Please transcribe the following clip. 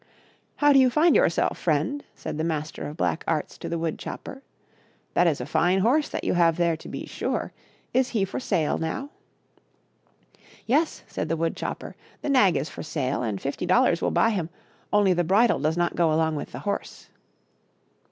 " How do you find yourself, friend ? said the Master of Black Arts to the wood chopper ;" that is a fine horse that you have there, to be sure. Is he for sale now ?"" Yes," said the wood chopper, " the nag is for sale, and fifty dollars will buy him^ only the bridle does not go along with the horse."